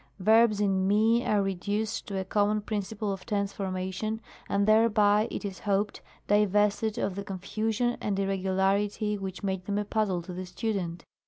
Yerbs in fu are reduced to a common principle of Tense formation, and thereby, it is hoped, divested of the confusion and irregularity which made them a puzzle to the student.